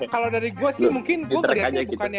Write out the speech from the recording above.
kalo dari gue sih mungkin gue berhati hati bukan dia